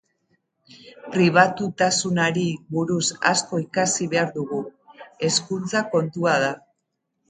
Pribatutasunari buruz asko ikasi behar dugu, hezkuntza kontua da.